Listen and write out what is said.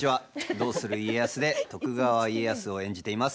「どうする家康」で徳川家康を演じています